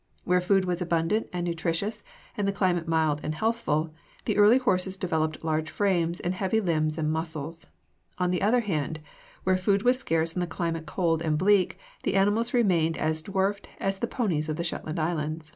Where food was abundant and nutritious and the climate mild and healthful, the early horses developed large frames and heavy limbs and muscles; on the other hand, where food was scarce and the climate cold and bleak, the animals remained as dwarfed as the ponies of the Shetland Islands.